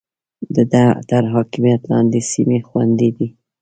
د ده تر حاکميت لاندې سيمې خوندي دي.